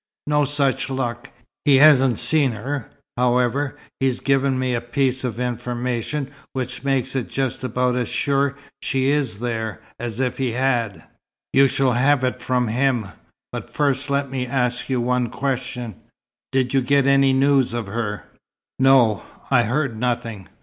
No such luck. He hasn't seen her; however, he's given me a piece of information which makes it just about as sure she is there, as if he had. You shall have it from him. But first let me ask you one question. Did you get any news of her?" "No. I heard nothing."